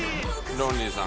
ロンリーさん